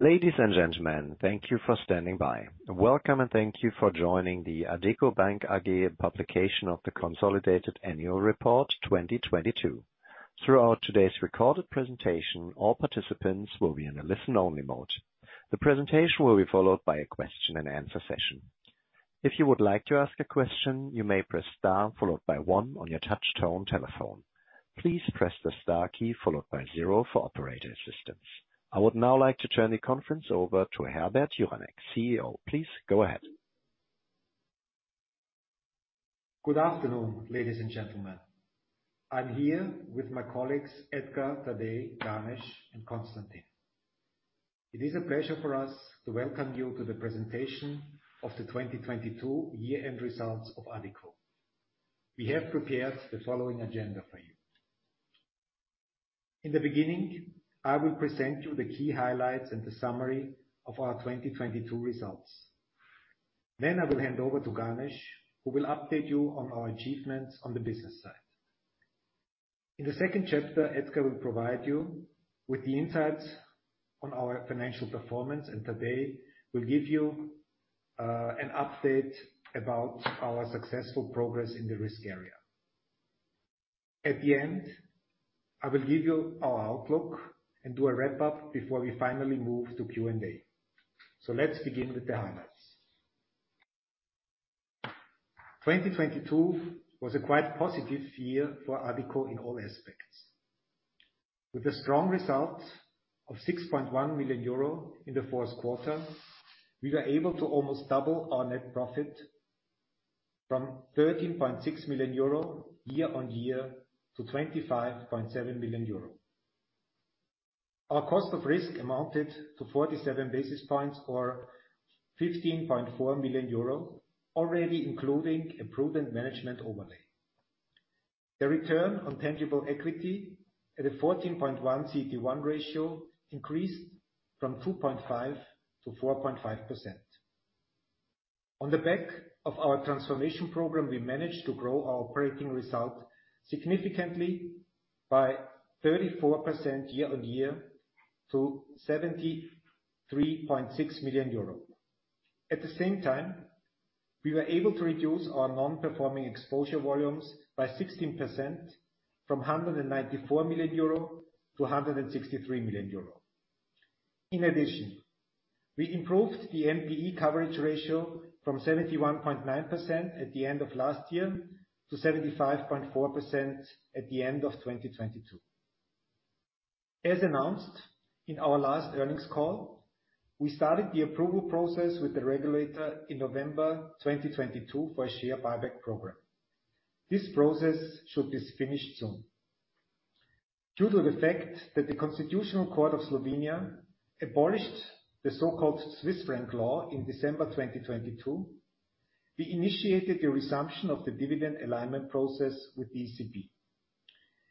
Ladies and gentlemen, thank you for standing by. Welcome. Thank you for joining the Addiko Bank AG publication of the consolidated annual report 2022. Throughout today's recorded presentation, all participants will be in a listen-only mode. The presentation will be followed by a question-and-answer session. If you would like to ask a question, you may press Star followed by one on your touchtone telephone. Please press the Star key followed by zero for operator assistance. I would now like to turn the conference over to Herbert Juranek, CEO. Please go ahead. Good afternoon, ladies and gentlemen. I'm here with my colleagues, Edgar, Tadej, Ganesh, and Konstantin. It is a pleasure for us to welcome you to the presentation of the 2022 year-end results of Addiko. We have prepared the following agenda for you. In the beginning, I will present you the key highlights and the summary of our 2022 results. I will hand over to Ganesh, who will update you on our achievements on the business side. In the second chapter, Edgar will provide you with the insights on our financial performance, and Tadej will give you an update about our successful progress in the risk area. At the end, I will give you our outlook and do a wrap-up before we finally move to Q&A. Let's begin with the highlights. 2022 was a quite positive year for Addiko in all aspects. With a strong result of 6.1 million euro in the Q4, we were able to almost double our net profit from 13.6 million euro year-on-year to 25.7 million euro. Our cost of risk amounted to 47 basis points or 15.4 million euro, already including a proven management overlay. The return on tangible equity at a 14.1 CET1 ratio increased from 2.5%-4.5%. On the back of our transformation program, we managed to grow our operating result significantly by 34% year-on-year to 73.6 million euro. At the same time, we were able to reduce our non-performing exposure volumes by 16% from 194 million euro to 163 million euro. We improved the NPE coverage ratio from 71.9% at the end of last year to 75.4% at the end of 2022. As announced in our last earnings call, we started the approval process with the regulator in November 2022 for a share buyback program. This process should be finished soon. Due to the fact that the Constitutional Court of the Republic of Slovenia abolished the so-called Swiss franc law in December 2022, we initiated the resumption of the dividend alignment process with DCP.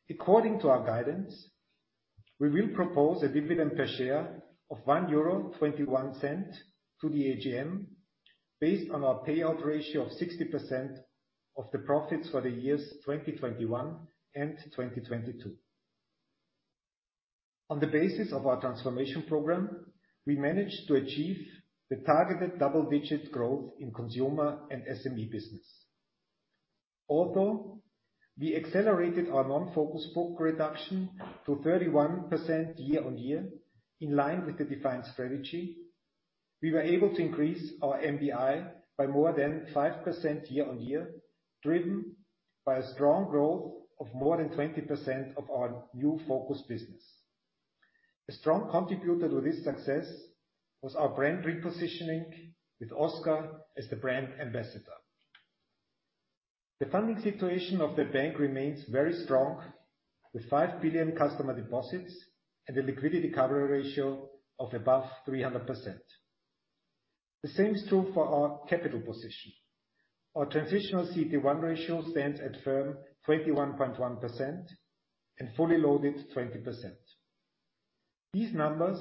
According to our guidance, we will propose a dividend per share of 1.21 euro to the AGM based on our payout ratio of 60% of the profits for the years 2021 and 2022. On the basis of our transformation program, we managed to achieve the targeted double-digit growth in consumer and SME business. Although we accelerated our non-focused book reduction to 31% year-on-year in line with the defined strategy, we were able to increase our NBI by more than 5% year-on-year, driven by a strong growth of more than 20% of our new focused business. A strong contributor to this success was our brand repositioning with Oscar as the brand ambassador. The funding situation of the bank remains very strong with 5 billion customer deposits and a liquidity coverage ratio of above 300%. The same is true for our capital position. Our transitional CET1 ratio stands at firm 21.1% and fully loaded 20%. These numbers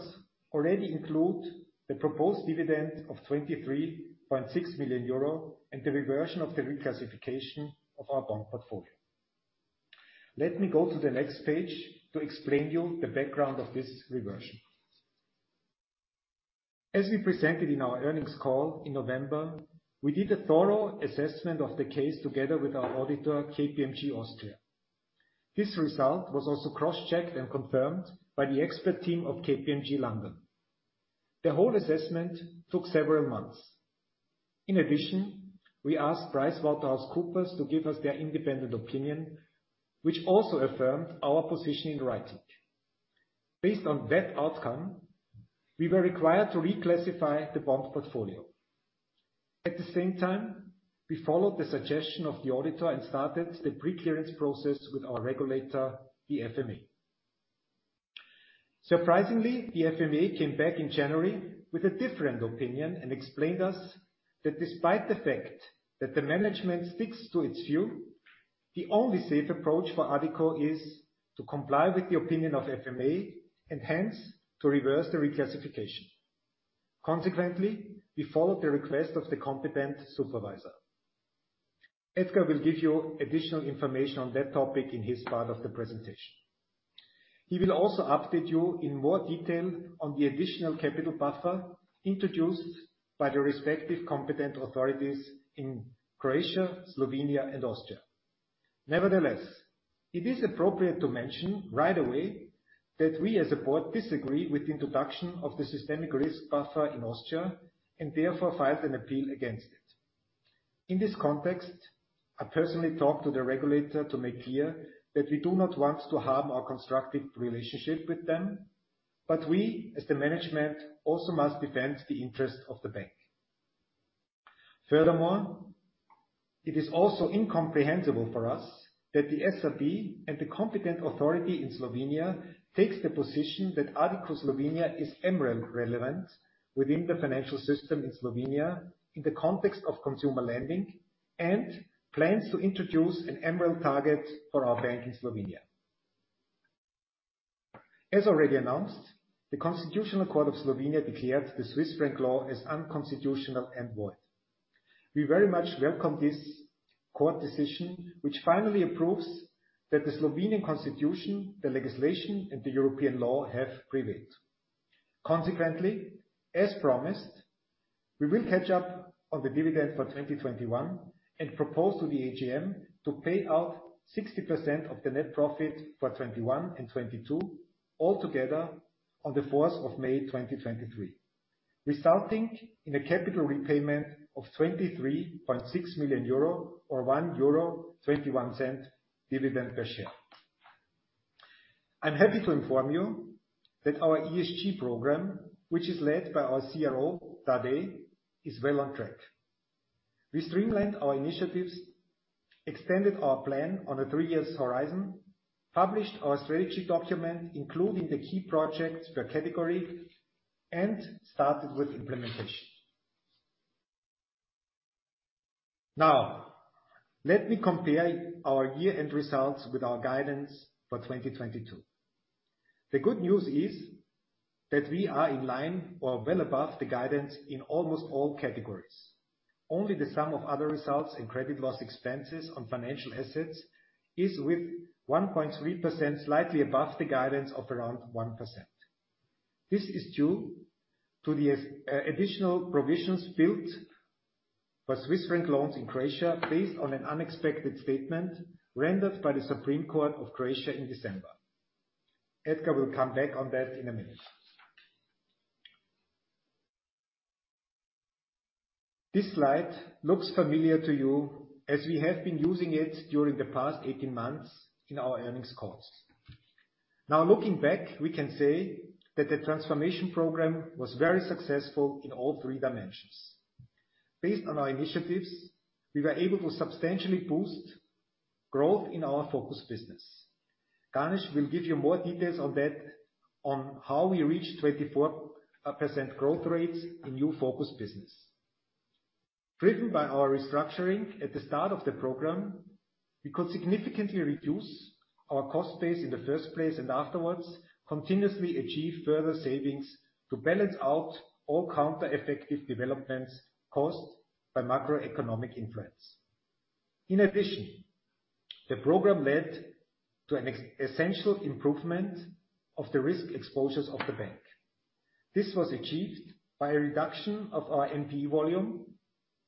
already include the proposed dividend of 23.6 million euro and the reversion of the reclassification of our bond portfolio. Let me go to the next stage to explain you the background of this reversion. As we presented in our earnings call in November, we did a thorough assessment of the case together with our auditor, KPMG Austria. This result was also cross-checked and confirmed by the expert team of KPMG London. The whole assessment took several months. In addition, we asked PricewaterhouseCoopers to give us their independent opinion, which also affirmed our position in writing. Based on that outcome, we were required to reclassify the bond portfolio. At the same time, we followed the suggestion of the auditor and started the pre-clearance process with our regulator, the FMA. Surprisingly, the FMA came back in January with a different opinion and explained to us that despite the fact that the management sticks to its view, the only safe approach for Addiko is to comply with the opinion of FMA and hence to reverse the reclassification. Consequently, we followed the request of the competent supervisor. Edgar will give you additional information on that topic in his part of the presentation. He will also update you in more detail on the additional capital buffer introduced by the respective competent authorities in Croatia, Slovenia, and Austria. Nevertheless, it is appropriate to mention right away that we as a board disagree with the introduction of the systemic risk buffer in Austria, and therefore filed an appeal against it. In this context, I personally talked to the regulator to make clear that we do not want to harm our constructive relationship with them, but we as the management also must defend the interest of the bank. Furthermore, it is also incomprehensible for us that the SRB and the competent authority in Slovenia takes the position that Addiko Slovenia is MREL relevant within the financial system in Slovenia, in the context of consumer lending, and plans to introduce an MREL target for our bank in Slovenia. As already announced, the Constitutional Court of Slovenia declared the Swiss franc law is unconstitutional and void. We very much welcome this court decision, which finally approves that the Slovenian Constitution, the legislation, and the European law have prevailed. As promised, we will catch up on the dividend for 2021 and propose to the AGM to pay out 60% of the net profit for 2021 and 2022 all together on the 4th of May 2023, resulting in a capital repayment of 23.6 million euro or 1.21 euro dividend per share. I'm happy to inform you that our ESG program, which is led by our CRO, Tadej, is well on track. We streamlined our initiatives, extended our plan on a threeyear horizon, published our strategy document, including the key projects per category, and started with implementation. Let me compare our year-end results with our guidance for 2022. The good news is that we are in line or well above the guidance in almost all categories. Only the sum of other results in credit loss expenses on financial assets is with 1.3% slightly above the guidance of around 1%. This is due to the additional provisions built for Swiss franc loans in Croatia based on an unexpected statement rendered by the Supreme Court of Croatia in December. Edgar will come back on that in a minute. This slide looks familiar to you as we have been using it during the past 18 months in our earnings calls. Looking back, we can say that the transformation program was very successful in all three dimensions. Based on our initiatives, we were able to substantially boost growth in our focus business. Ganesh will give you more details on that on how we reached 24% growth rates in new focus business. Driven by our restructuring at the start of the program, we could significantly reduce our cost base in the first place, and afterwards, continuously achieve further savings to balance out all countereffective developments caused by macroeconomic influence. In addition, the program led to an essential improvement of the risk exposures of the bank. This was achieved by a reduction of our NPE volume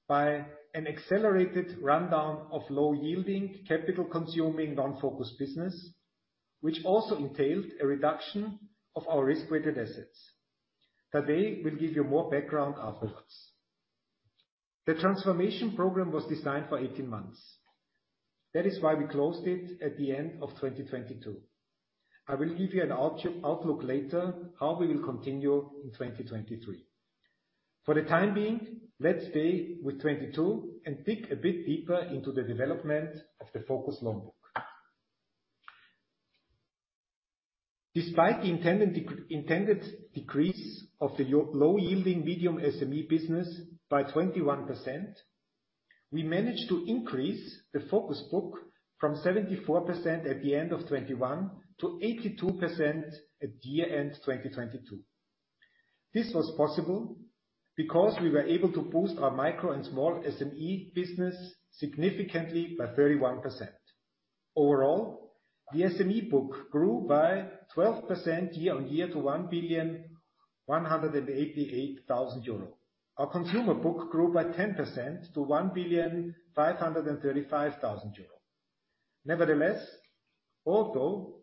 by an accelerated rundown of low-yielding, capital-consuming non-focused business, which also entailed a reduction of our risk-weighted assets. Tadej will give you more background afterwards. The transformation program was designed for 18 months. That is why we closed it at the end of 2022. I will give you an outlook later how we will continue in 2023. For the time being, let's stay with 2022 and dig a bit deeper into the development of the focus loan book. Despite the intended decrease of the low-yielding medium SME business by 21%, we managed to increase the focus book from 74% at the end of 2021 to 82% at the end of 2022. This was possible because we were able to boost our micro and small SME business significantly by 31%. Overall, the SME book grew by 12% year-on-year to 1,000,188,000 euro. Our consumer book grew by 10% to 1,000,535,000 euro. Nevertheless, although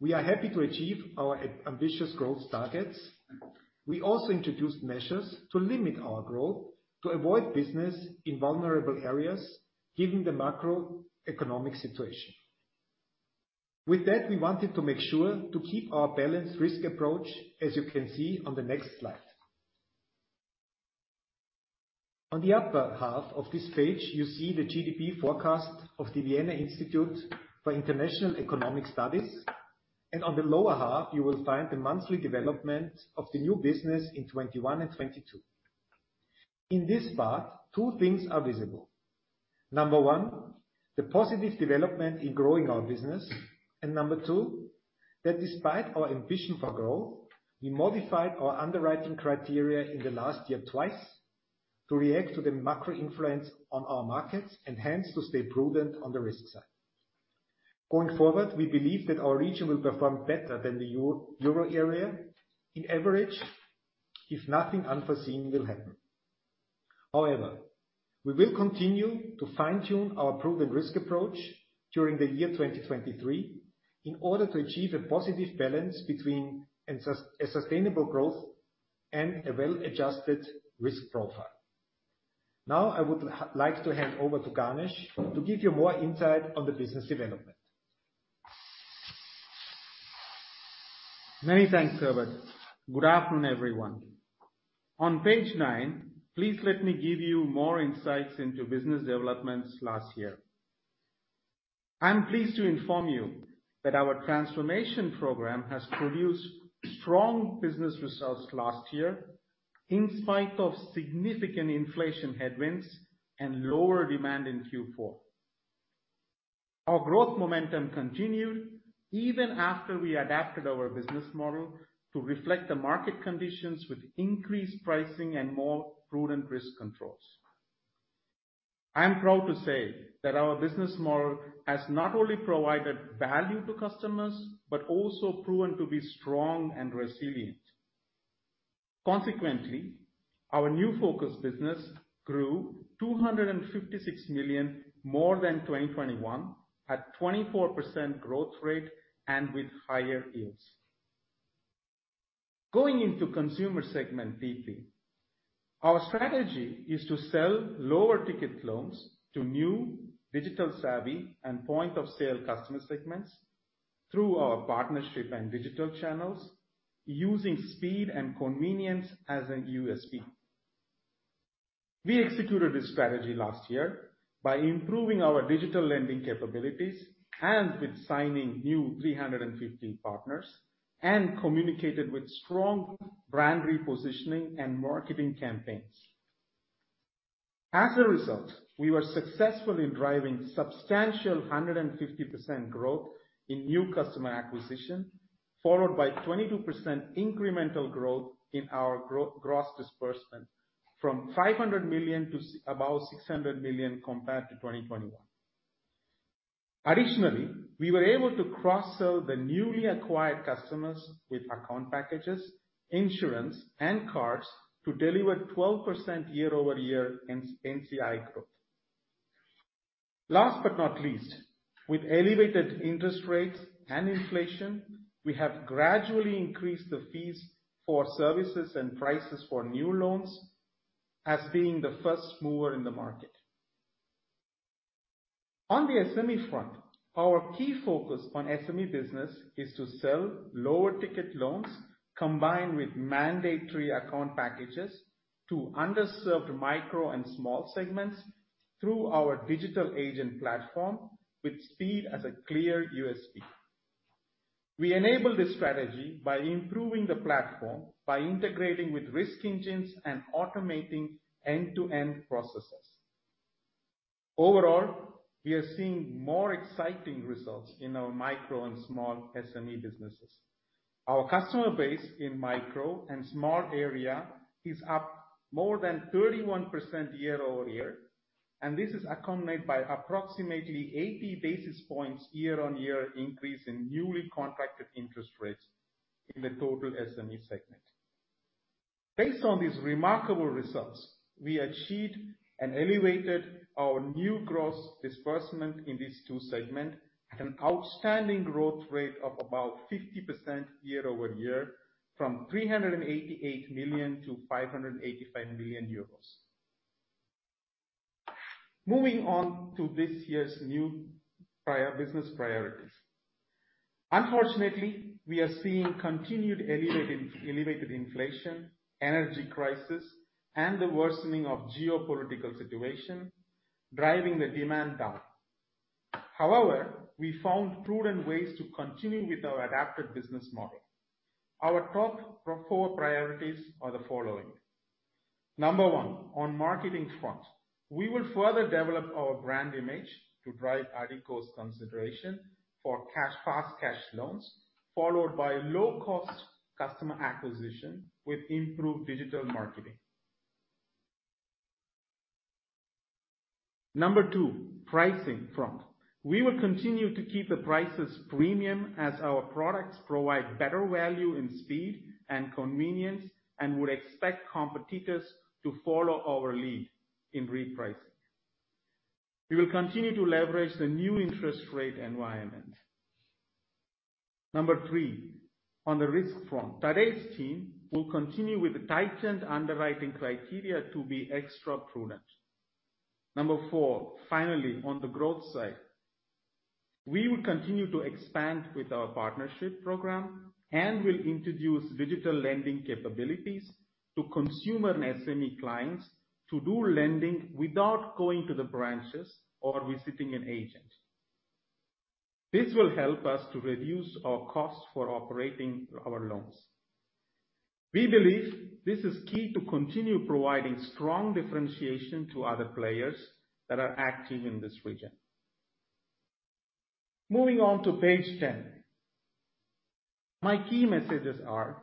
we are happy to achieve our ambitious growth targets, we also introduced measures to limit our growth, to avoid business in vulnerable areas, given the macroeconomic situation. With that, we wanted to make sure to keep our balanced risk approach, as you can see on the next slide. On the upper half of this page, you see the GDP forecast of The Vienna Institute for International Economic Studies, and on the lower half, you will find the monthly development of the new business in 2021 and 2022. In this part, two things are visible. Number one, the positive development in growing our business. Number two, that despite our ambition for growth, we modified our underwriting criteria in the last year twice to react to the macro influence on our markets and hence to stay prudent on the risk side. Going forward, we believe that our region will perform better than the Euro area in average if nothing unforeseen will happen. However, we will continue to fine-tune our proven risk approach during the year 2023 in order to achieve a positive balance between a sustainable growth and a well-adjusted risk profile. Now I would like to hand over to Ganesh to give you more insight on the business development. Many thanks, Herbert. Good afternoon, everyone. On page nine, please let me give you more insights into business developments last year. I'm pleased to inform you that our transformation program has produced strong business results last year in spite of significant inflation headwinds and lower demand in Q4. Our growth momentum continued even after we adapted our business model to reflect the market conditions with increased pricing and more prudent risk controls. I am proud to say that our business model has not only provided value to customers, but also proven to be strong and resilient. Consequently, our new focus business grew 256 million, more than 2021, at 24% growth rate and with higher yields. Going into consumer segment deeply, our strategy is to sell lower ticket loans to new digital savvy and point-of-sale customer segments through our partnership and digital channels using speed and convenience as in USP. We executed this strategy last year by improving our digital lending capabilities and with signing new 350 partners and communicated with strong brand repositioning and marketing campaigns. As a result, we were successful in driving substantial 150% growth in new customer acquisition, followed by 22% incremental growth in our gross disbursement, from 500 million to about 600 million compared to 2021. Additionally, we were able to cross-sell the newly acquired customers with account packages, insurance, and cards to deliver 12% year-over-year in NCI growth. Last but not least, with elevated interest rates and inflation, we have gradually increased the fees for services and prices for new loans as being the first mover in the market. On the SME front, our key focus on SME business is to sell lower ticket loans combined with mandatory account packages to underserved micro and small segments through our digital agent platform with speed as a clear USP. We enable this strategy by improving the platform by integrating with risk engines and automating end-to-end processes. Overall, we are seeing more exciting results in our micro and small SME businesses. Our customer base in micro and small area is up more than 31% year-over-year, and this is accompanied by approximately 80 basis points year-on-year increase in newly contracted interest rates in the total SME segment. Based on these remarkable results, we achieved and elevated our new gross disbursement in these two segment at an outstanding growth rate of about 50% year-over-year from 388 million to 585 million euros. Moving on to this year's new business priorities. Unfortunately, we are seeing continued elevated inflation, energy crisis, and the worsening of geopolitical situation, driving the demand down. However, we found prudent ways to continue with our adapted business model. Our top four priorities are the following. Number one, on marketing front, we will further develop our brand image to drive Addiko's consideration for fast cash loans, followed by low cost customer acquisition with improved digital marketing. Number two, pricing front. We will continue to keep the prices premium as our products provide better value and speed and convenience and would expect competitors to follow our lead in repricing. We will continue to leverage the new interest rate environment. Number three, on the risk front, Tadej's team will continue with the tightened underwriting criteria to be extra prudent. Number four, finally, on the growth side, we will continue to expand with our partnership program and will introduce digital lending capabilities to consumer and SME clients to do lending without going to the branches or visiting an agent. This will help us to reduce our costs for operating our loans. We believe this is key to continue providing strong differentiation to other players that are active in this region. Moving on to page 10. My key messages are,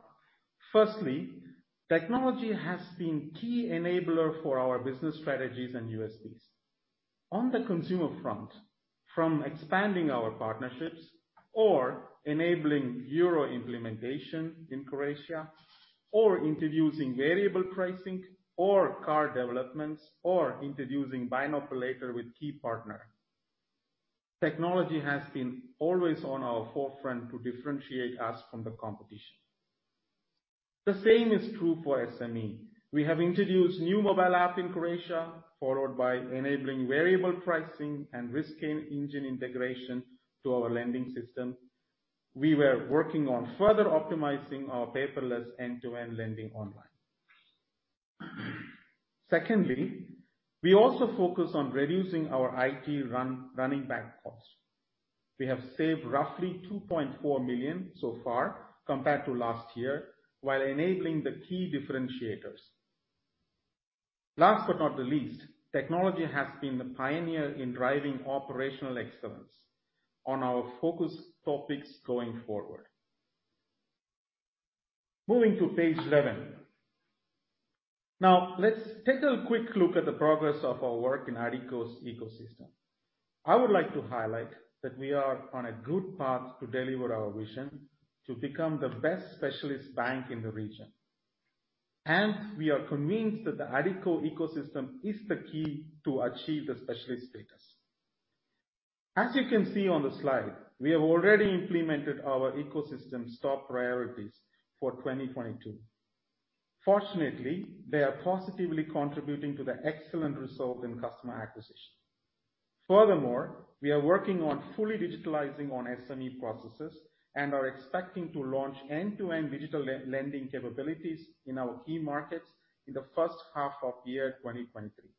firstly, technology has been key enabler for our business strategies and USPs. On the consumer front, from expanding our partnerships or enabling euro implementation in Croatia, or introducing variable pricing, or car developments, or introducing buy now, pay later with key partner. Technology has been always on our forefront to differentiate us from the competition. The same is true for SME. We have introduced new mobile app in Croatia, followed by enabling variable pricing and risk in engine integration to our lending system. We were working on further optimizing our paperless end-to-end lending online. We also focus on reducing our IT run, running bank costs. We have saved roughly 2.4 million so far compared to last year, while enabling the key differentiators. Last but not the least, technology has been the pioneer in driving operational excellence on our focus topics going forward. Moving to page 11. Let's take a quick look at the progress of our work in Addiko's ecosystem. I would like to highlight that we are on a good path to deliver our vision to become the best specialist bank in the region. We are convinced that the Addiko ecosystem is the key to achieve the specialist status. As you can see on the slide, we have already implemented our ecosystem's top priorities for 2022. Fortunately, they are positively contributing to the excellent result in customer acquisition. We are working on fully digitalizing on SME processes and are expecting to launch end-to-end digital lending capabilities in our key markets in the first half of year 2023.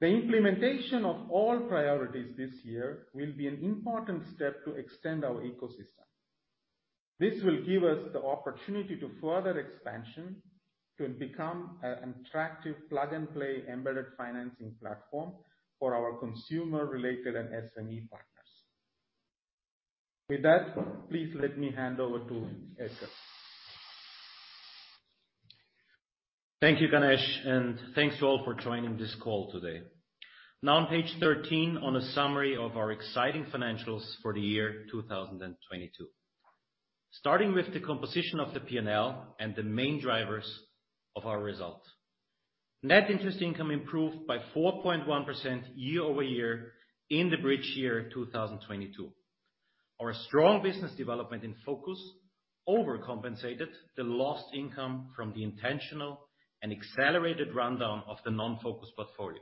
The implementation of all priorities this year will be an important step to extend our ecosystem. This will give us the opportunity to further expansion to become an attractive plug-and-play embedded financing platform for our consumer-related and SME partners. With that, please let me hand over to Edgar. Thank you, Ganesh. Thanks all for joining this call today. Now, on page 13, on a summary of our exciting financials for the year 2022. Starting with the composition of the P&L and the main drivers of our results. Net interest income improved by 4.1% year-over-year in the bridge year, 2022. Our strong business development in Focus overcompensated the lost income from the intentional and accelerated rundown of the non-Focus portfolio.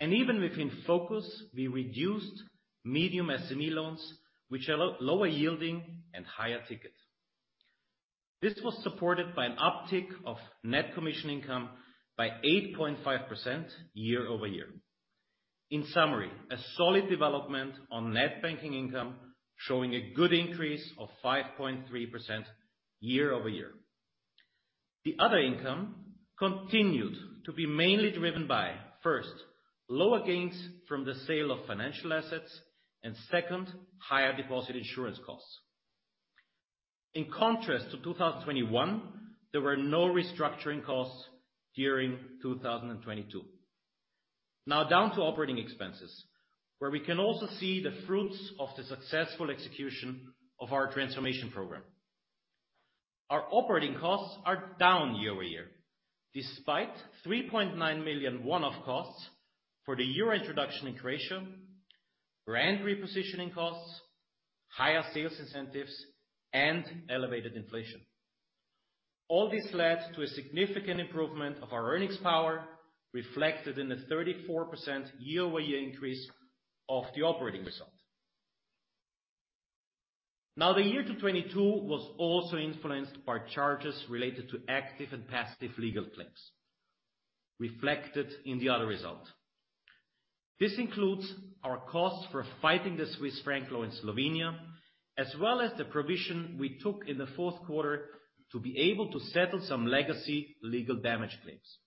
Even within Focus, we reduced medium SME loans, which are lower yielding and higher ticket. This was supported by an uptick of net commission income by 8.5% year-over-year. In summary, a solid development on net banking income, showing a good increase of 5.3% year-over-year. The other income continued to be mainly driven by, first, lower gains from the sale of financial assets, and second, higher deposit insurance costs. In contrast to 2021, there were no restructuring costs during 2022. Now, down to operating expenses, where we can also see the fruits of the successful execution of our transformation program. Our operating costs are down year-over-year, despite 3.9 million one-off costs for the Euro introduction in Croatia, brand repositioning costs, higher sales incentives, and elevated inflation. All this led to a significant improvement of our earnings power reflected in the 34% year-over-year increase of the operating result. Now, the year 2022 was also influenced by charges related to active and passive legal claims reflected in the other result. This includes our cost for fighting the Swiss franc law in Slovenia, as well as the provision we took in the Q4 to be able to settle some legacy legal damage claims.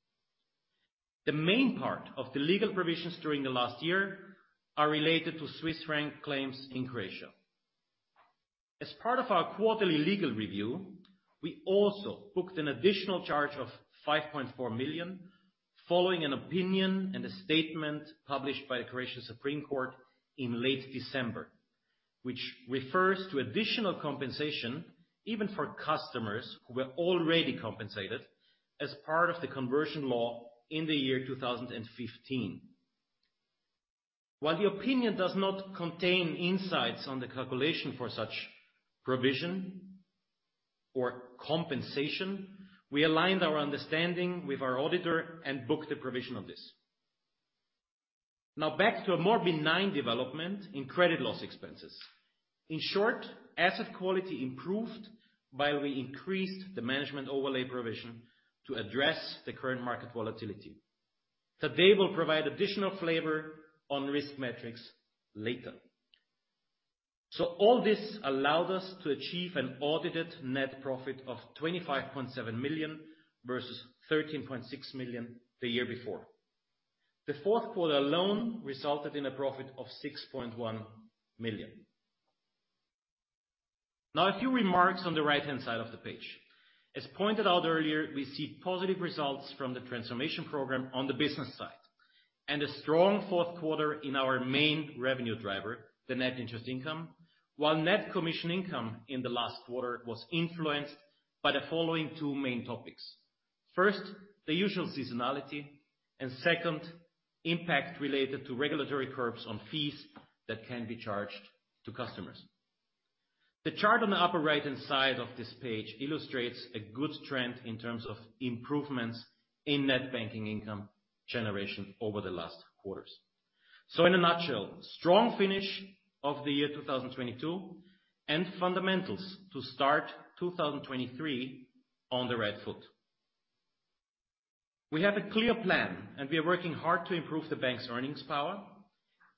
The main part of the legal provisions during the last year are related to Swiss franc claims in Croatia. As part of our quarterly legal review, we also booked an additional charge of 5.4 million following an opinion and a statement published by the Croatian Supreme Court in late December, which refers to additional compensation even for customers who were already compensated as part of the conversion law in the year 2015. While the opinion does not contain insights on the calculation for such provision or compensation, we aligned our understanding with our auditor and booked the provision of this. Back to a more benign development in credit loss expenses. In short, asset quality improved while we increased the management overlay provision to address the current market volatility. Today, we'll provide additional flavor on risk metrics later. All this allowed us to achieve an audited net profit of 25.7 million versus 13.6 million the year before. The Q4 alone resulted in a profit of 6.1 million. A few remarks on the right-hand side of the page. As pointed out earlier, we see positive results from the transformation program on the business side, and a strong Q4 in our main revenue driver, the Net Interest Income. While Net Commission Income in the last quarter was influenced by the following two main topics. First, the usual seasonality, and second, impact related to regulatory curbs on fees that can be charged to customers. The chart on the upper right-hand side of this page illustrates a good trend in terms of improvements in net banking income generation over the last quarters. In a nutshell, strong finish of the year 2022, and fundamentals to start 2023 on the right foot. We have a clear plan, and we are working hard to improve the bank's earnings power,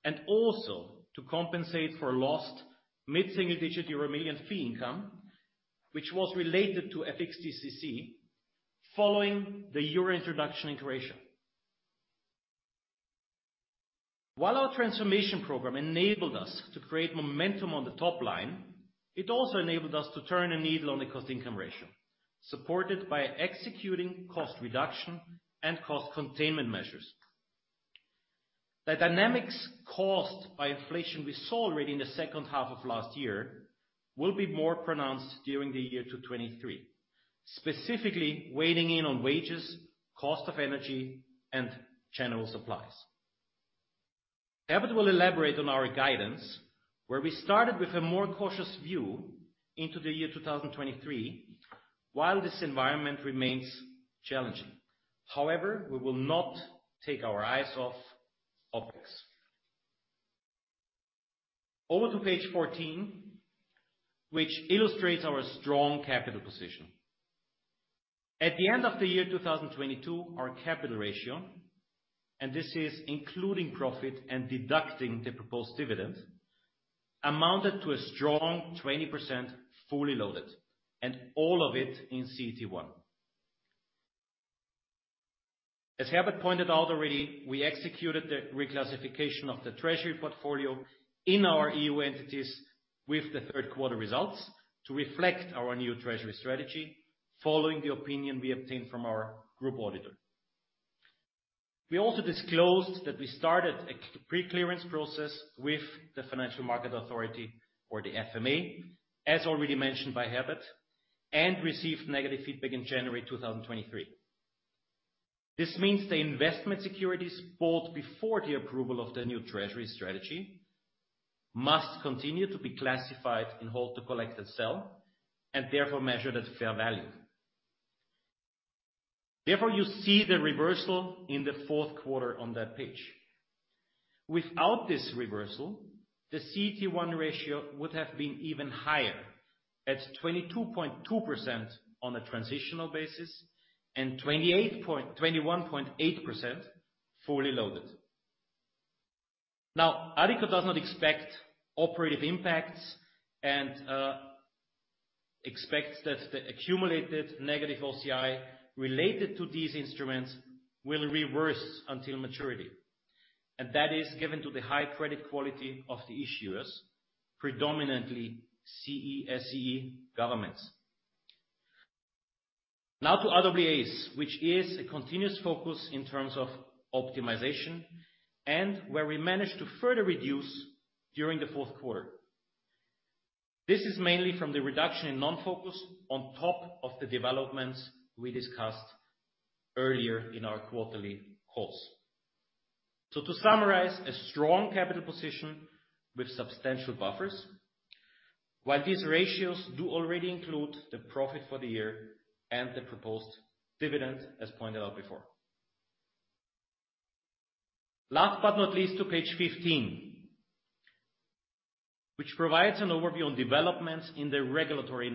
and also to compensate for lost mid-single-digit euro million fee income, which was related to FXDCC following the euro introduction in Croatia. While our transformation program enabled us to create momentum on the top line, it also enabled us to turn a needle on the cost-income ratio, supported by executing cost reduction and cost containment measures. The dynamics caused by inflation we saw already in the second half of last year will be more pronounced during the year 2023, specifically weighing in on wages, cost of energy, and general supplies. Herbert will elaborate on our guidance, where we started with a more cautious view into the year 2023, while this environment remains challenging. We will not take our eyes off OPEX. Over to page 14, which illustrates our strong capital position. At the end of the year 2022, our capital ratio, and this is including profit and deducting the proposed dividends, amounted to a strong 20% fully loaded, and all of it in CET1. As Herbert pointed out already, we executed the reclassification of the treasury portfolio in our EU entities with the Q3 results to reflect our new treasury strategy following the opinion we obtained from our group auditor. We also disclosed that we started a pre-clearance process with the Financial Market Authority or the FMA, as already mentioned by Herbert, and received negative feedback in January 2023. This means the investment securities bought before the approval of the new treasury strategy must continue to be classified and hold to collect and sell, and therefore measured at fair value. Therefore, you see the reversal in the Q4 on that page. Without this reversal, the CET1 ratio would have been even higher at 22.2% on a transitional basis and 21.8% fully loaded. Now, Addiko does not expect operative impacts and expects that the accumulated negative OCI related to these instruments will reverse until maturity. That is given to the high credit quality of the issuers, predominantly CESEE governments. Now to RWAs, which is a continuous focus in terms of optimization and where we managed to further reduce during the Q4. This is mainly from the reduction in non-focus on top of the developments we discussed earlier in our quarterly calls. To summarize, a strong capital position with substantial buffers, while these ratios do already include the profit for the year and the proposed dividend, as pointed out before. Last but not least, to page 15, which provides an overview on developments in the regulatory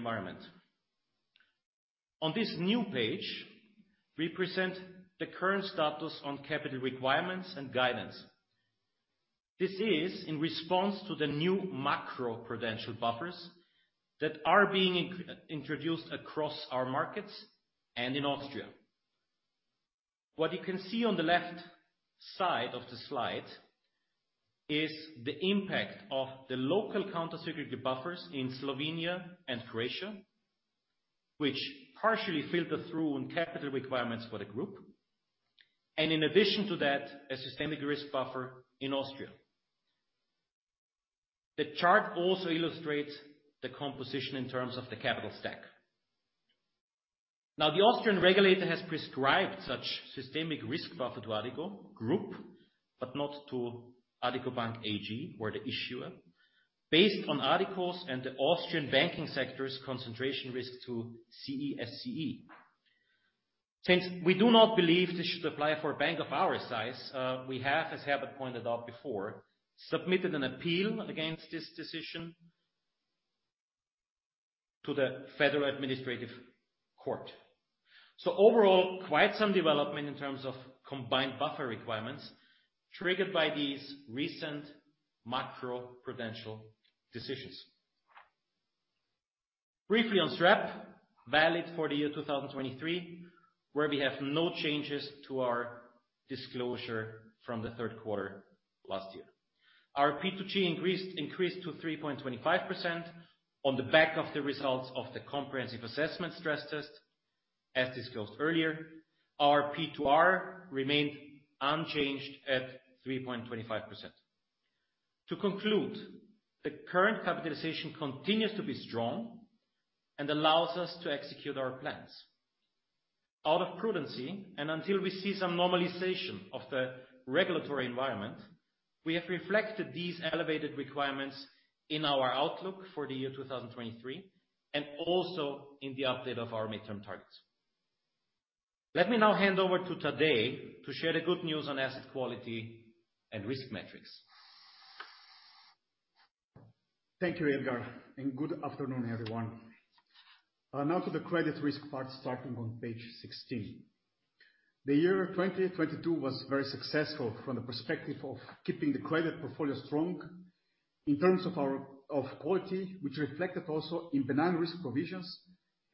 environment. On this new page, we present the current status on capital requirements and guidance. This is in response to the new macro-prudential buffers that are being introduced across our markets and in Austria. What you can see on the left side of the slide is the impact of the local countercyclical buffers in Slovenia and Croatia, which partially filter through on capital requirements for the group, and in addition to that, a systemic risk buffer in Austria. The chart also illustrates the composition in terms of the capital stack. The Austrian regulator has prescribed such systemic risk buffer to Addiko Group, but not to Addiko Bank AG or the issuer, based on Addiko's and the Austrian banking sector's concentration risk to CESEE. Since we do not believe this should apply for a bank of our size, we have, as Herbert pointed out before, submitted an appeal against this decision to the Federal Administrative Court. Overall, quite some development in terms of combined buffer requirements triggered by these recent macroprudential decisions. Briefly on SREP, valid for the year 2023, where we have no changes to our disclosure from the Q3 last year. Our P2G increased to 3.25% on the back of the results of the comprehensive assessment stress test, as disclosed earlier. Our P2R remained unchanged at 3.25%. To conclude, the current capitalization continues to be strong and allows us to execute our plans. Out of prudency, and until we see some normalization of the regulatory environment, we have reflected these elevated requirements in our outlook for the year 2023, and also in the update of our midterm targets. Let me now hand over to Tadej to share the good news on asset quality and risk metrics. Thank you, Edgar. Good afternoon, everyone. Now to the credit risk part, starting on page 16. The year 2022 was very successful from the perspective of keeping the credit portfolio strong in terms of quality, which reflected also in benign risk provisions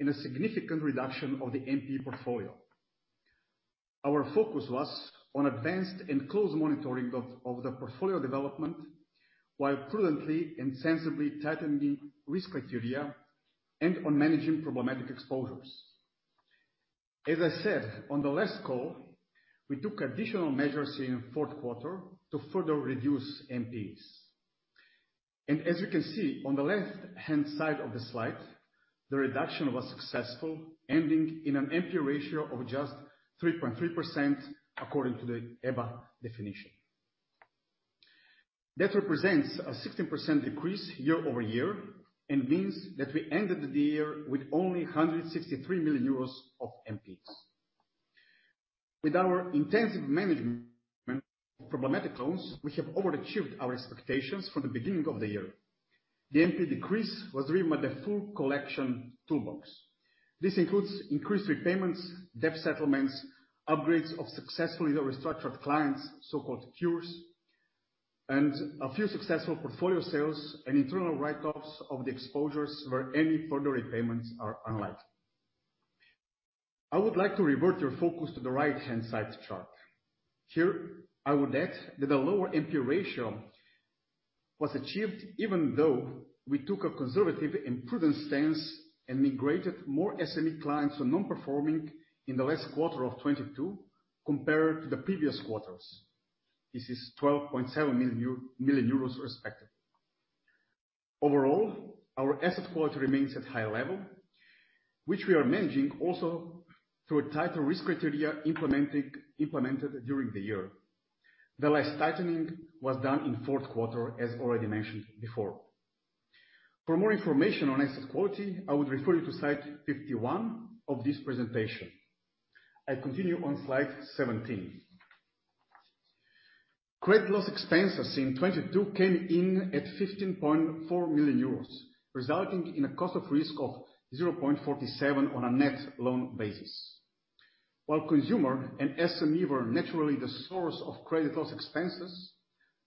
in a significant reduction of the NPE portfolio. Our focus was on advanced and close monitoring of the portfolio development, while prudently and sensibly tightening risk criteria and on managing problematic exposures. As I said on the last call, we took additional measures in Q4 to further reduce NPEs. As you can see on the left-hand side of the slide, the reduction was successful, ending in an NPE ratio of just 3.3% according to the EBA definition. That represents a 16% decrease year-over-year and means that we ended the year with only 163 million euros of NPEs. With our intensive management of problematic loans, we have overachieved our expectations from the beginning of the year. The NPE decrease was driven by the full collection toolbox. This includes increased repayments, debt settlements, upgrades of successfully restructured clients, so-called cures, and a few successful portfolio sales and internal write-offs of the exposures where any further repayments are unlikely. I would like to revert your focus to the right-hand side chart. Here, I would add that the lower NPE ratio was achieved even though we took a conservative and prudent stance and migrated more SME clients from non-performing in the last quarter of 2022 compared to the previous quarters. This is 12.7 million euros respectively. Overall, our asset quality remains at high level, which we are managing also through a tighter risk criteria implemented during the year. The last tightening was done in Q4, as already mentioned before. For more information on asset quality, I would refer you to slide 51 of this presentation. I continue on slide 17. Credit loss expenses in 2022 came in at 15.4 million euros, resulting in a cost of risk of 0.47% on a net loan basis. While consumer and SME were naturally the source of credit loss expenses,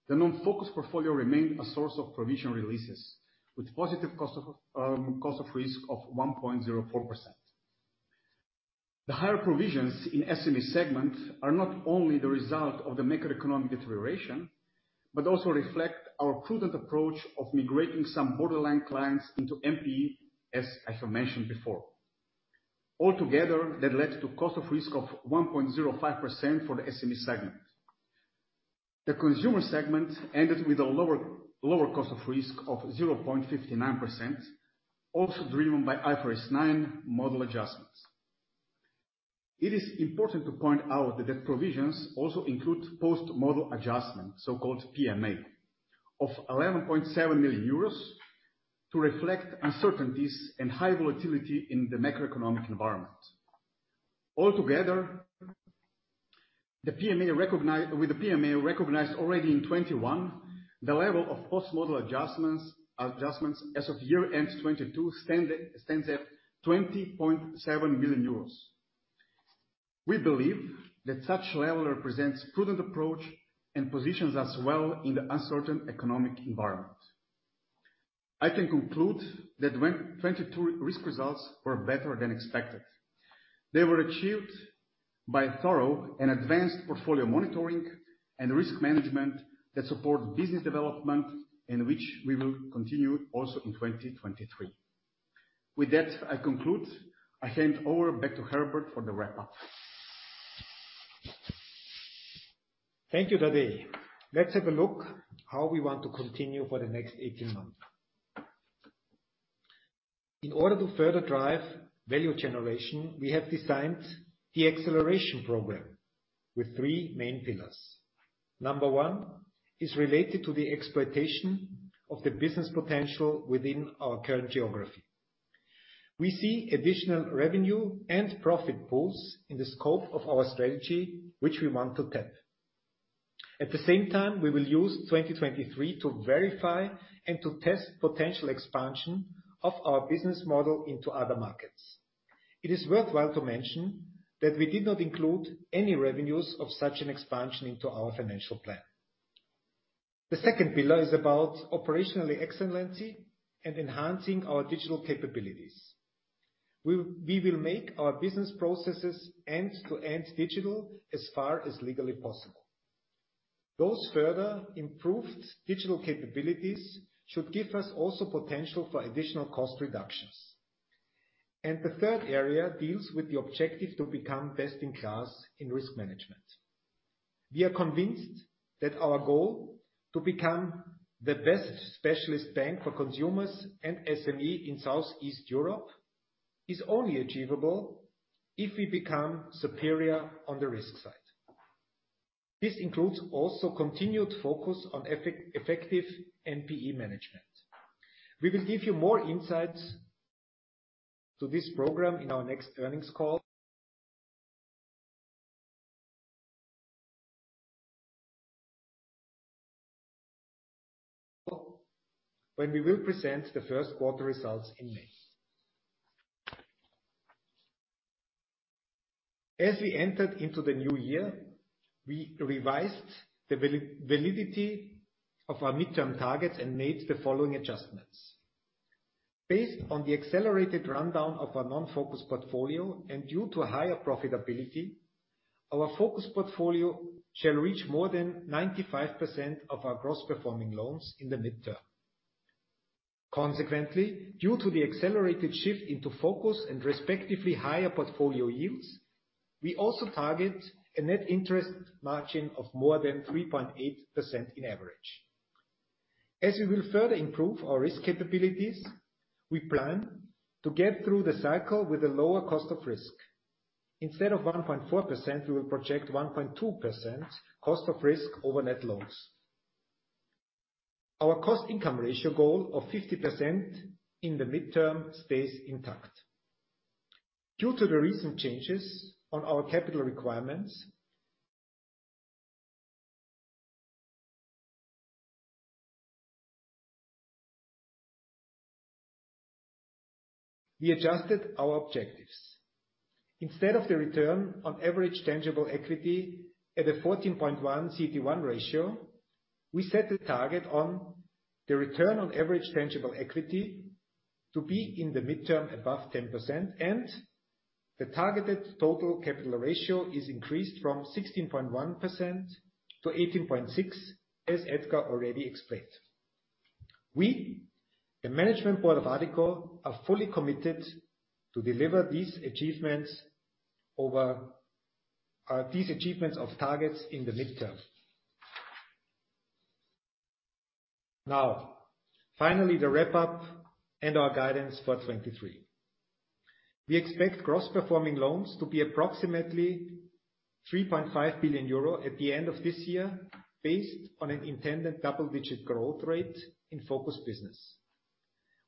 the non-focus portfolio remained a source of provision releases with positive cost of risk of 1.04%. The higher provisions in SME segment are not only the result of the macroeconomic deterioration, but also reflect our prudent approach of migrating some borderline clients into NPE, as I have mentioned before. Altogether, that led to cost of risk of 1.05% for the SME segment. The consumer segment ended with a lower cost of risk of 0.59%, also driven by IFRS 9 model adjustments. It is important to point out that the provisions also include post-model adjustment, so called PMA, of 11.7 million euros to reflect uncertainties and high volatility in the macroeconomic environment. Altogether, with the PMA recognized already in 2021, the level of post-model adjustments as of year end 2022 stands at 20.7 million euros. We believe that such level represents prudent approach and positions us well in the uncertain economic environment. I can conclude that 2022 risk results were better than expected. They were achieved by thorough and advanced portfolio monitoring and risk management that support business development, and which we will continue also in 2023. With that, I conclude. I hand over back to Herbert for the wrap up. Thank you, Tadej. Let's have a look how we want to continue for the next 18 months. In order to further drive value generation, we have designed the acceleration program. With three main pillars. Number one is related to the exploitation of the business potential within our current geography. We see additional revenue and profit pools in the scope of our strategy, which we want to tap. At the same time, we will use 2023 to verify and to test potential expansion of our business model into other markets. It is worthwhile to mention that we did not include any revenues of such an expansion into our financial plan. The second pillar is about operational excellence and enhancing our digital capabilities. We will make our business processes end-to-end digital as far as legally possible. Those further improved digital capabilities should give us also potential for additional cost reductions. The third area deals with the objective to become best in class in risk management. We are convinced that our goal to become the best specialist bank for consumers and SME in South-Eastern Europe is only achievable if we become superior on the risk side. This includes also continued focus on effective NPE management. We will give you more insights to this program in our next earnings call when we will present the Q1 results in May. As we entered into the new year, we revised the validity of our midterm targets and made the following adjustments. Based on the accelerated rundown of our non-focus portfolio and due to higher profitability, our focus portfolio shall reach more than 95% of our gross performing loans in the midterm. Consequently, due to the accelerated shift into focus and respectively higher portfolio yields, we also target a net interest margin of more than 3.8% in average. As we will further improve our risk capabilities, we plan to get through the cycle with a lower cost of risk. Instead of 1.4%, we will project 1.2% cost of risk over net loans. Our cost income ratio goal of 50% in the midterm stays intact. Due to the recent changes on our capital requirements, we adjusted our objectives. Instead of the return on average tangible equity at a 14.1 CET1 ratio, we set the target on the return on average tangible equity to be in the midterm above 10%, and the targeted total capital ratio is increased from 16.1% to 18.6%, as Edgar already explained. We, the management board of Addiko, are fully committed to deliver these achievements over these achievements of targets in the midterm. Finally, the wrap-up and our guidance for 2023. We expect gross performing loans to be approximately 3.5 billion euro at the end of this year based on an intended double-digit growth rate in focus business.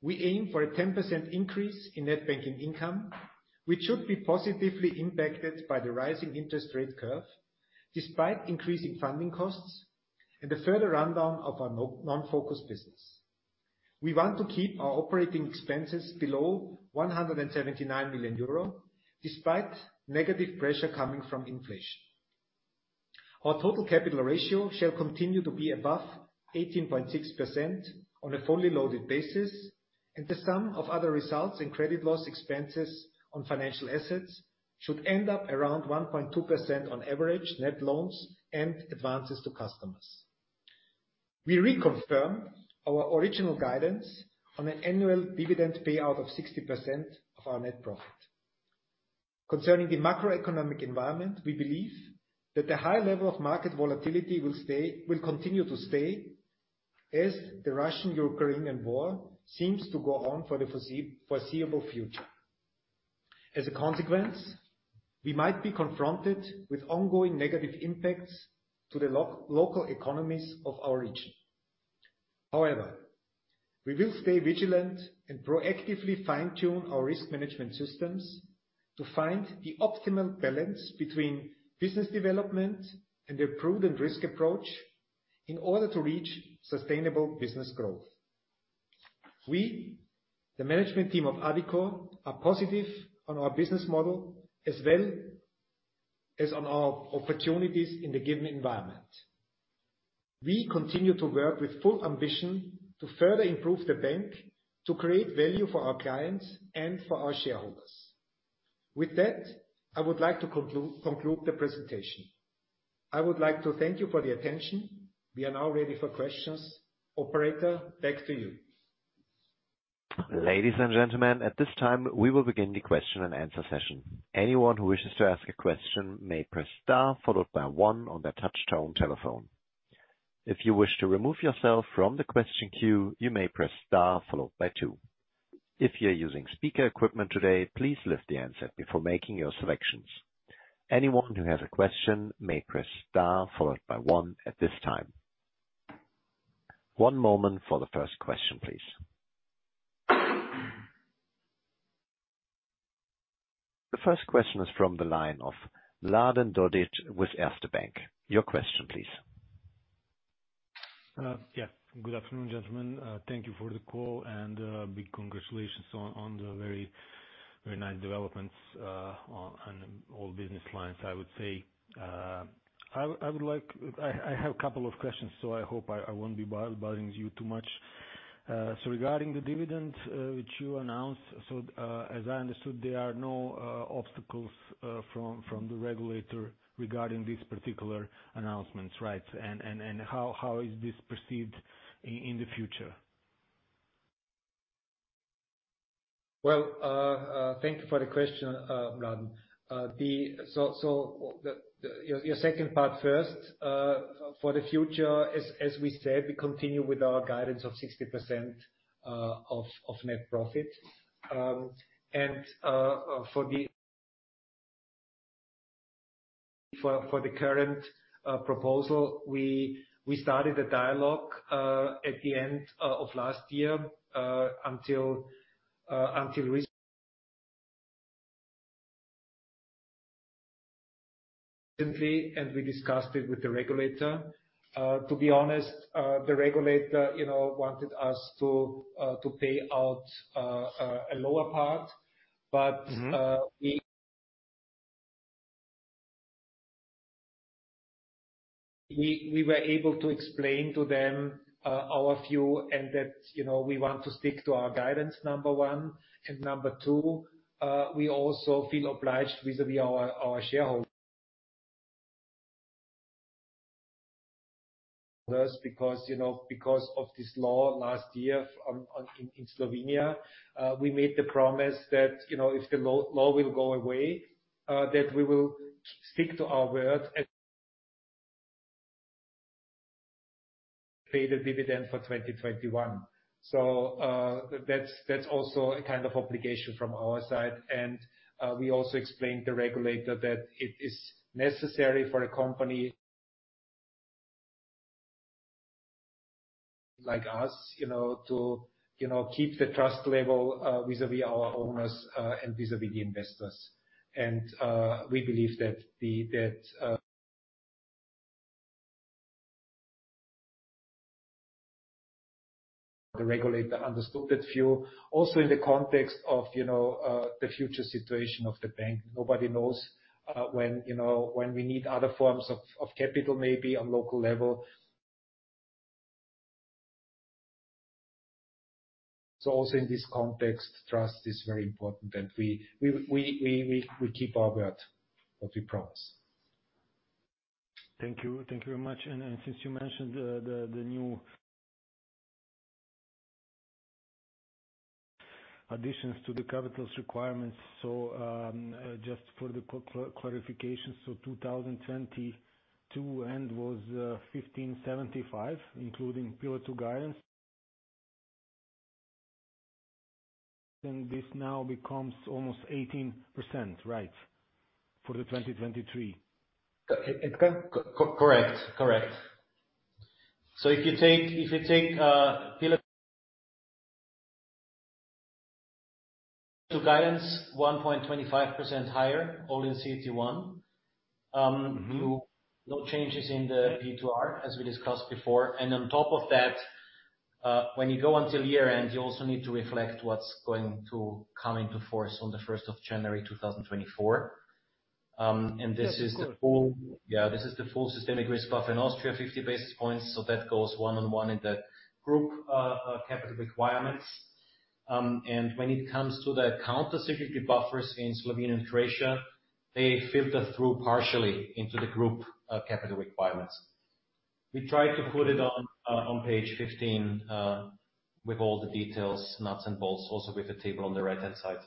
We aim for a 10% increase in net banking income, which should be positively impacted by the rising interest rate curve despite increasing funding costs and the further rundown of our non-focused business. We want to keep our operating expenses below 179 million euro, despite negative pressure coming from inflation. Our total capital ratio shall continue to be above 18.6% on a fully loaded basis, and the sum of other results in credit loss expenses on financial assets should end up around 1.2% on average net loans and advances to customers. We reconfirm our original guidance on an annual dividend payout of 60% of our net profit. Concerning the macroeconomic environment, we believe that the high level of market volatility will continue to stay as the Russian-Ukrainian war seems to go on for the foreseeable future. As a consequence, we might be confronted with ongoing negative impacts to the local economies of our region. However, we will stay vigilant and proactively fine-tune our risk management systems to find the optimal balance between business development and the prudent risk approach in order to reach sustainable business growth. We, the management team of Addiko, are positive on our business model as well as on our opportunities in the given environment. We continue to work with full ambition to further improve the bank, to create value for our clients and for our shareholders. With that, I would like to conclude the presentation. I would like to thank you for the attention. We are now ready for questions. Operator, back to you. Ladies and gentlemen, at this time, we will begin the question-and-answer session. Anyone who wishes to ask a question may press star followed by one on their touch tone telephone. If you wish to remove yourself from the question queue, you may press star followed by two. If you're using speaker equipment today, please lift the handset before making your selections. Anyone who has a question may press star followed by one at this time. One moment for the first question, please. The first question is from the line of Mladen Dodig with Erste Bank. Your question please. Yeah. Good afternoon, gentlemen. Thank you for the call, and big congratulations on the very, very nice developments on all business lines, I would say. I have a couple of questions, so I hope I won't be bothering you too much. Regarding the dividend which you announced, as I understood, there are no obstacles from the regulator regarding these particular announcements, right? How is this perceived in the future? Well, thank you for the question, Mladen. Your second part first. For the future, as we said, we continue with our guidance of 60% of net profit. For the current proposal, we started a dialogue at the end of last year until simply, and we discussed it with the regulator. To be honest, the regulator, you know, wanted us to pay out a lower part. But we were able to explain to them our view and that, you know, we want to stick to our guidance, number one. Number two, we also feel obliged vis-à-vis our shareholders because, you know, because of this law last year in Slovenia, we made the promise that, you know, if the law will go away, that we will stick to our word and pay the dividend for 2021. That's also a kind of obligation from our side. We also explained to the regulator that it is necessary for a company like us, you know, to, you know, keep the trust level vis-à-vis our owners and vis-à-vis the investors. We believe that the regulator understood that view. In the context of, you know, the future situation of the bank. Nobody knows, when, you know, when we need other forms of capital maybe on local level. Also in this context, trust is very important, and we keep our word what we promise. Thank you. Thank you very much. Since you mentioned the new additions to the capital requirements, just for the clarification, 2022 end was 15.75%, including Pillar Two guidance. This now becomes almost 18%, right? For 2023. It. Correct. Correct. If you take, Pillar Two guidance, 1.25% higher, all in CET1. No changes in the P2R, as we discussed before. On top of that, when you go until year-end, you also need to reflect what's going to come into force on the 1st of January 2024. This is the Yeah. Of course. Yeah. This is the full systemic risk buff in Austria, 50 basis points, so that goes one-on-one in the Group capital requirements. When it comes to the countercyclical buffers in Slovenia and Croatia, they filter through partially into the Group capital requirements. We tried to put it on page 15 with all the details, nuts and bolts, also with the table on the right-hand side.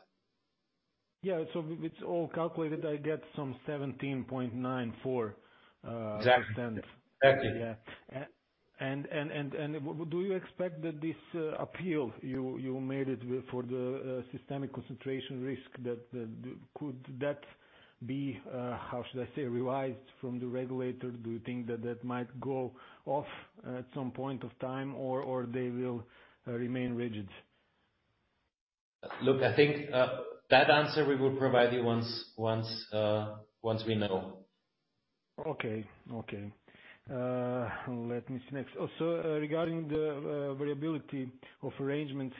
Yeah. With all calculated, I get some 17.94%. Exactly. Exactly. Yeah. Do you expect that this appeal you made it for the systemic concentration risk, that could that be how should I say, revised from the regulator? Do you think that might go off at some point of time, or they will remain rigid? Look, I think, that answer we will provide you once, once we know. Okay. Okay. Let me see next. Also, regarding the variability of arrangements.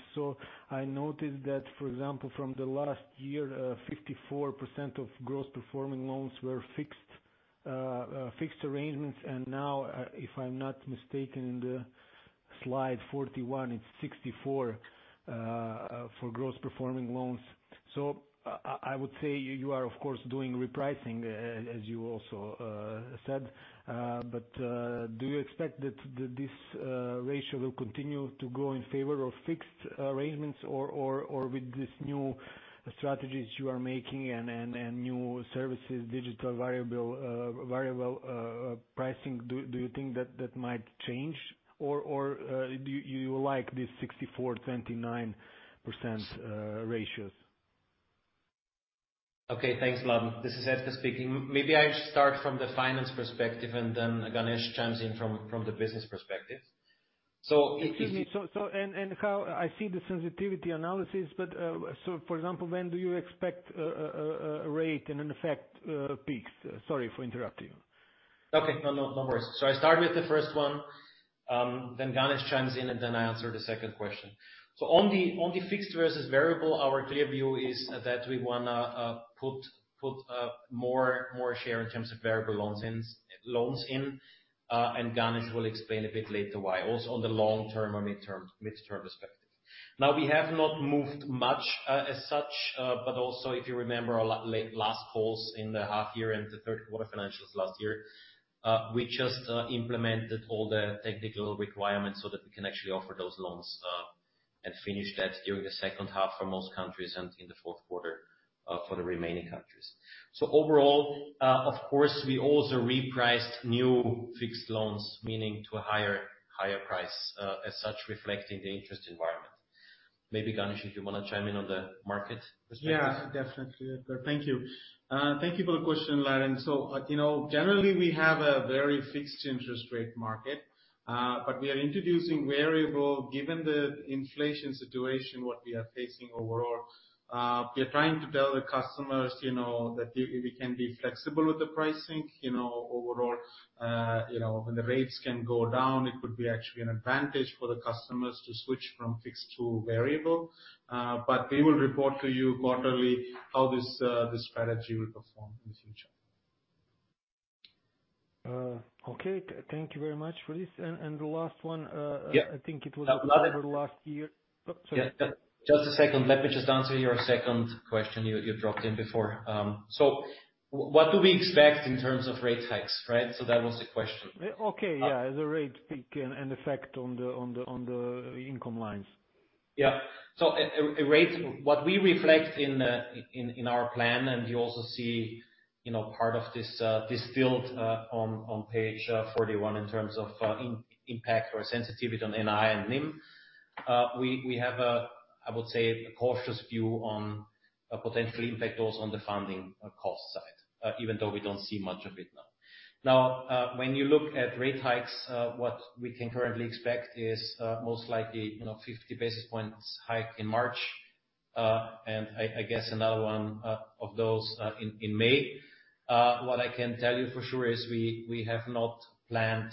I noticed that, for example, from the last year, 54% of gross performing loans were fixed arrangements. Now, if I'm not mistaken, in the slide 41, it's 64% for gross performing loans. I would say you are of course doing repricing, as you also said. Do you expect that this ratio will continue to grow in favor of fixed arrangements or with this new strategies you are making and new services, digital variable pricing, do you think that might change or do you like this 64.29% ratios? Okay, thanks, Mladen. This is Edgar speaking. Maybe I start from the finance perspective and then Ganesh chimes in from the business perspective. Excuse me. And how I see the sensitivity analysis, but, so for example, when do you expect a rate and in effect peaks? Sorry for interrupting you. Okay. No, no worries. I start with the first one, then Ganesh chimes in, and then I answer the second question. On the, on the fixed versus variable, our clear view is that we wanna put more share in terms of variable loans in, and Ganesh will explain a bit later why, also on the long-term or midterm perspective. We have not moved much as such, also if you remember our last calls in the half year and the Q3 financials last year, we just implemented all the technical requirements so that we can actually offer those loans, and finish that during the second half for most countries and in the Q4 for the remaining countries. Overall, of course, we also repriced new fixed loans, meaning to a higher price, as such reflecting the interest environment. Maybe Ganesh, if you wanna chime in on the market. Yeah, definitely Edgar. Thank you. Thank you for the question, Mladen. You know, generally we have a very fixed interest rate market, but we are introducing variable given the inflation situation, what we are facing overall. We are trying to tell the customers, you know, that we can be flexible with the pricing, you know, overall. You know, when the rates can go down, it could be actually an advantage for the customers to switch from fixed to variable. We will report to you quarterly how this strategy will perform in the future. Okay. Thank you very much for this. The last one. Yeah. I think it was October last year. Oh, sorry. Yeah. Just a second. Let me just answer your second question you dropped in before. What do we expect in terms of rate hikes, right? That was the question. Okay. Yeah. The rate peak and effect on the income lines. Yeah. A rate. What we reflect in our plan, and you also see, you know, part of this build on page 41 in terms of impact or sensitivity on NIM. We have a, I would say, a cautious view on a potential impact also on the funding cost side, even though we don't see much of it now. Now, when you look at rate hikes, what we can currently expect is most likely, you know, 50 basis points hike in March, and I guess another one of those in May. What I can tell you for sure is we have not planned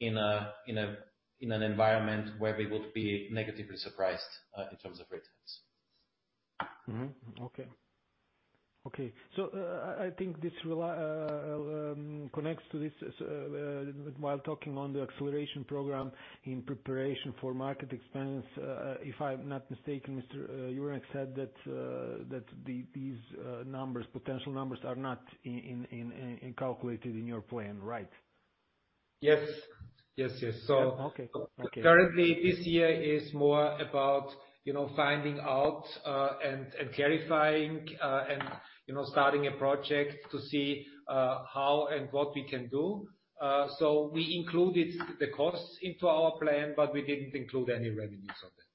in an environment where we would be negatively surprised in terms of rate hikes. Okay. Okay. I think this connects to this while talking on the acceleration program in preparation for market expense, if I'm not mistaken, Mr. Juranek said that these numbers, potential numbers are not in calculated in your plan, right? Yes. Yes, yes. Okay. Okay. Currently this year is more about, you know, finding out, and clarifying, and, you know, starting a project to see, how and what we can do. We included the costs into our plan, but we didn't include any revenues on that.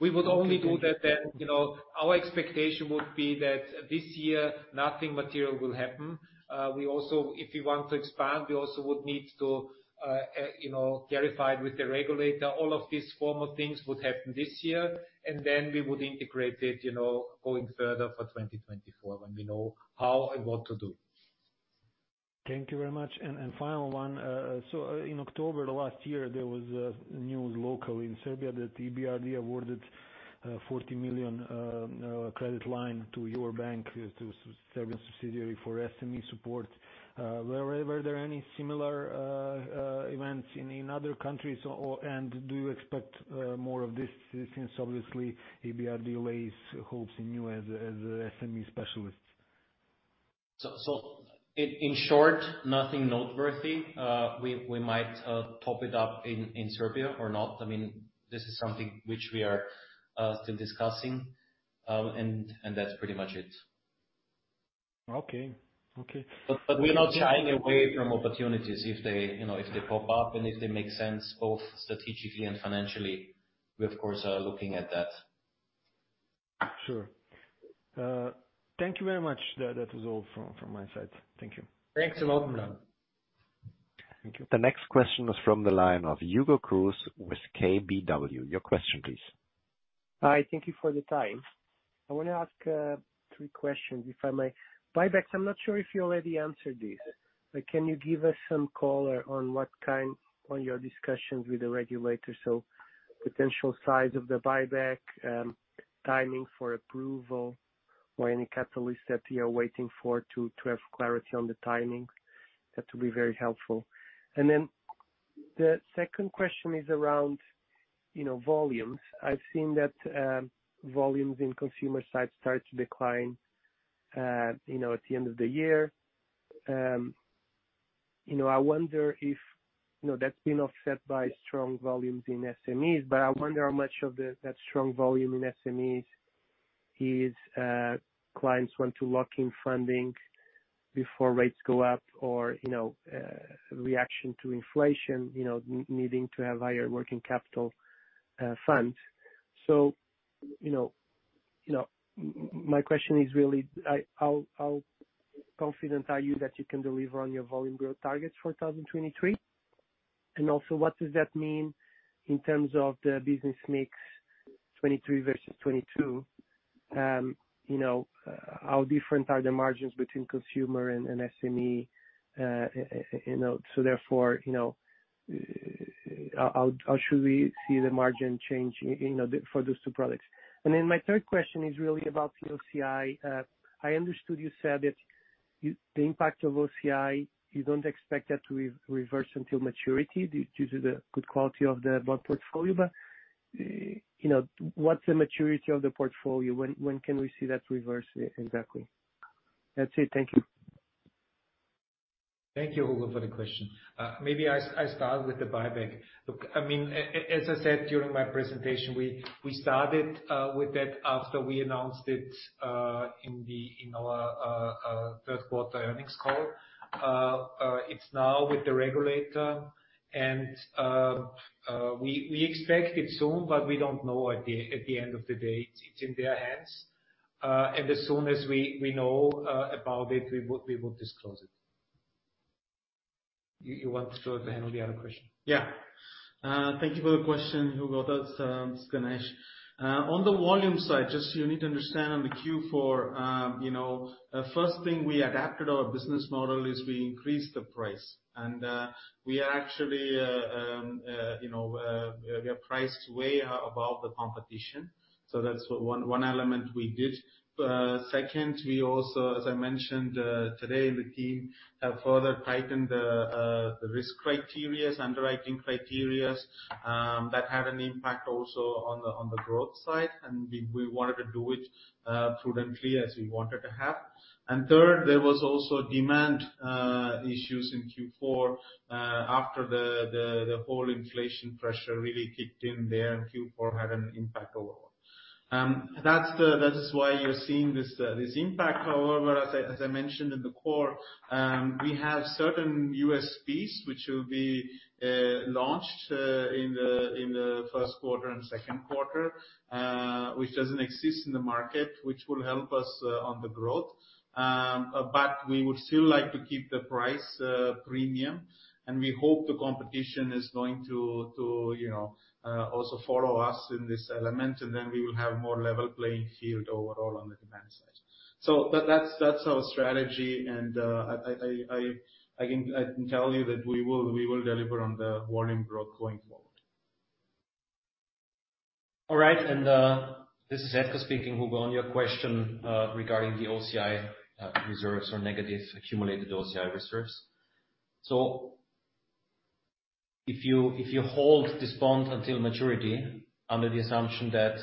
We would only do that then, you know, our expectation would be that this year nothing material will happen. If we want to expand, we also would need to, you know, clarify with the regulator, all of these formal things would happen this year. Then we would integrate it, you know, going further for 2024 when we know how and what to do. Thank you very much. Final one. In October of last year, there was news local in Serbia that EBRD awarded 40 million credit line to your bank, to Serbian subsidiary for SME support. Were there any similar events in other countries or, and do you expect more of this since obviously EBRD lays hopes in you as SME specialists? In short, nothing noteworthy. We might pop it up in Serbia or not. I mean, this is something which we are still discussing. That's pretty much it. Okay. Okay. We're not shying away from opportunities if they, you know, if they pop up and if they make sense both strategically and financially, we of course are looking at that. Sure. Thank you very much. That was all from my side. Thank you. Thanks a lot, Mladen. Thank you. The next question is from the line of Hugo Cruz with KBW. Your question please. Hi. Thank you for the time. I wanna ask three questions, if I may. Buybacks, I'm not sure if you already answered this, but can you give us some color on your discussions with the regulators, so potential size of the buyback, timing for approval or any catalyst that you are waiting for to have clarity on the timing. That will be very helpful. The second question is around, you know, volumes. I've seen that, volumes in consumer side start to decline, you know, at the end of the year. you know, I wonder if, you know, that's been offset by strong volumes in SMEs, but I wonder how much of that strong volume in SMEs is clients want to lock in funding before rates go up or, you know, reaction to inflation, you know, needing to have higher working capital funds. you know, my question is really, how confident are you that you can deliver on your volume growth targets for 2023? Also, what does that mean in terms of the business mix 2023 versus 2022? you know, how different are the margins between consumer and SME, you know. Therefore, you know, how should we see the margin change, you know, for those two products? Then my third question is really about the OCI. I understood you said that the impact of OCI, you don't expect that to re-reverse until maturity due to the good quality of the bond portfolio. You know, what's the maturity of the portfolio? When, when can we see that reverse exactly? That's it. Thank you. Thank you, Hugo, for the question. Maybe I start with the buyback. Look, I mean, as I said during my presentation, we started with that after we announced it in our Q1 earnings call. It's now with the regulator and we expect it soon, but we don't know at the end of the day. It's in their hands. As soon as we know about it, we will disclose it. You want to handle the other question? Yeah. Thank you for the question, Hugo. That's Ganesh. On the volume side, just you need to understand on the Q4, you know, first thing we adapted our business model is we increased the price. We are actually, you know, we are priced way above the competition. That's one element we did. Second, we also, as I mentioned, today, the team have further tightened the risk criteria, underwriting criteria, that had an impact also on the growth side. We wanted to do it prudently as we wanted to have. Third, there was also demand issues in Q4, after the whole inflation pressure really kicked in there, and Q4 had an impact overall. That is why you're seeing this impact. However, as I mentioned in the core, we have certain USPs which will be launched in the Q1 and Q2, which doesn't exist in the market, which will help us on the growth. But we would still like to keep the price premium, and we hope the competition is going to, you know, also follow us in this element, and then we will have more level playing field overall on the demand side. That's our strategy. I can tell you that we will deliver on the volume growth going forward. All right. This is Edgar speaking. Hugo, on your question regarding the OCI reserves or negative accumulated OCI reserves. If you hold this bond until maturity under the assumption that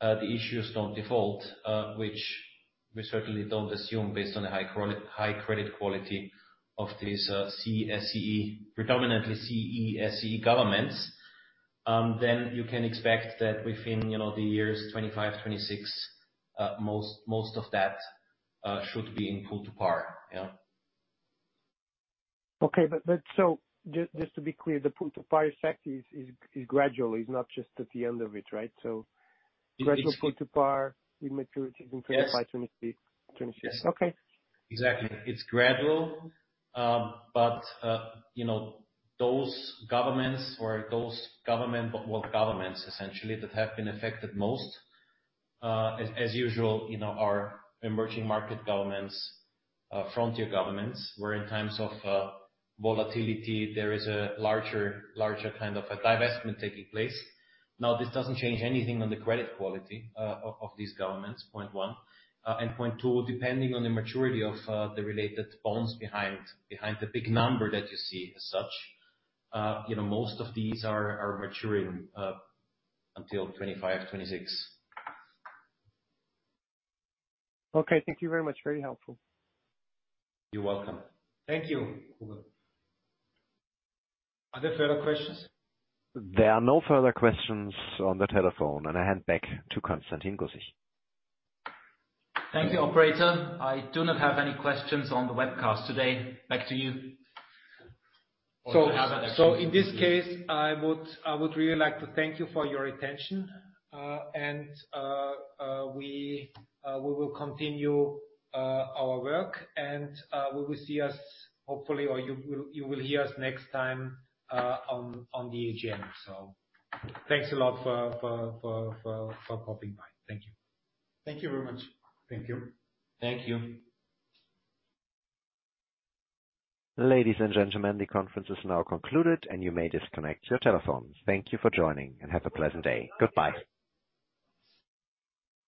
the issues don't default, which we certainly don't assume based on the high credit quality of this CESEE, predominantly CESEE governments, then you can expect that within, you know, the years 2025, 2026, most of that should be in pull to par. Yeah. Just to be clear, the pull to par effect is gradual. It's not just at the end of it, right? Gradual pull to par with maturity in 2025, 2026. Yes. Okay. Exactly. It's gradual. You know, those governments, well, governments essentially that have been affected most, as usual, you know, are emerging market governments, frontier governments, where in times of volatility, there is a larger kind of a divestment taking place. Now, this doesn't change anything on the credit quality of these governments, point one. Point two, depending on the maturity of the related bonds behind the big number that you see as such, you know, most of these are maturing until 2025, 2026. Okay. Thank you very much. Very helpful. You're welcome. Thank you, Hugo. Are there further questions? There are no further questions on the telephone. I hand back to Constantin Gussich. Thank you, operator. I do not have any questions on the webcast today. Back to you. In this case, I would really like to thank you for your attention. We will continue our work and we will see us hopefully, or you will hear us next time on the AGM. Thanks a lot for popping by. Thank you. Thank you very much. Thank you. Thank you. Ladies and gentlemen, the conference is now concluded, and you may disconnect your telephones. Thank you for joining, and have a pleasant day. Goodbye.